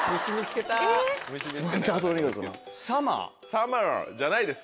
サマーじゃないです。